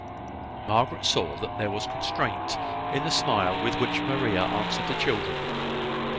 Margaret saw that there was constraint in the smile with which Maria answered the children.